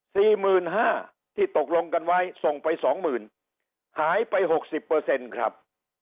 สี่หมื่นห้าที่ตกลงกันไว้ส่งไปสองหมื่นหายไปหกสิบเปอร์เซ็นต์ครับ